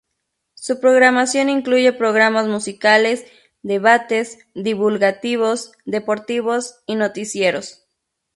Su programación incluye programas musicales, debates, divulgativos, deportivos y noticieros.